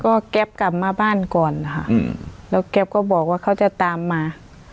ก็แก๊ปกลับมาบ้านก่อนนะคะแล้วแก๊ปก็บอกว่าเขาจะตามมา